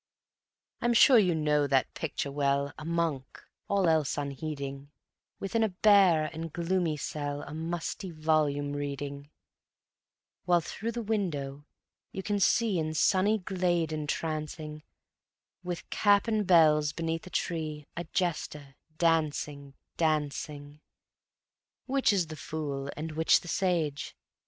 _ I'm sure you know that picture well, A monk, all else unheeding, Within a bare and gloomy cell A musty volume reading; While through the window you can see In sunny glade entrancing, With cap and bells beneath a tree A jester dancing, dancing. Which is the fool and which the sage?